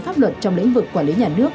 pháp luật trong lĩnh vực quản lý nhà nước